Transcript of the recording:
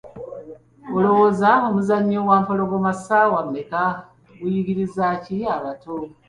Olowooza omuzannyo ‘Wampologoma ssaawa mmeka’ guyigiriza ki abato?